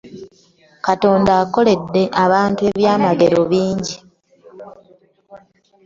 Katonda akolede abantu ebyamagero bingi.